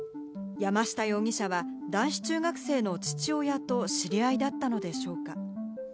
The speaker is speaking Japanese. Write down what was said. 山下容疑者は男子中学生の父親と知り合いだったのでしょうか？